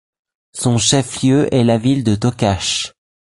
Son chef-lieu est la ville de Tocache.